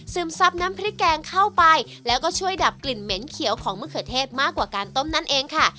ซับน้ำพริกแกงเข้าไปแล้วก็ช่วยดับกลิ่นเหม็นเขียวของมะเขือเทศมากกว่าการต้มนั่นเองค่ะ